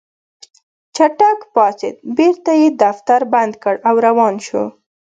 چټک پاڅېد بېرته يې دفتر بند کړ او روان شو.